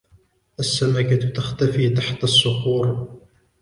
السمكة تختفي تحت الصخور.